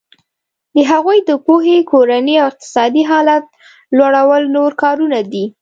د هغوی د پوهې کورني او اقتصادي حالت لوړول نور کارونه دي.